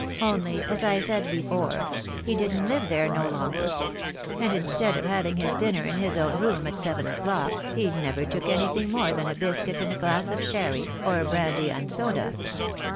Only, as I said before, he didn't live there no longer; and instead of having his dinner in his own room at seven o'clock, he never took anything more than a biscuit and a glass of sherry, or a brandy and soda."